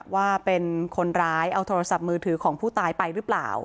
ว่าเป็นคนร้ายเอาโทรศัพท์มือถือของผู้ตายไปหรือเปล่า